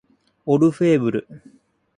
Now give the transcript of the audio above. オルフェーヴル